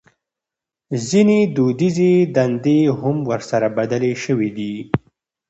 ځينې دوديزې دندې هم ورسره بدلې شوې دي.